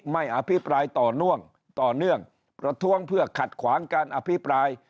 อภิปรายต่อเนื่องต่อเนื่องประท้วงเพื่อขัดขวางการอภิปราย